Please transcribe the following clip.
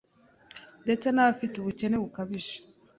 ndetse n’abafite ubukene bukabije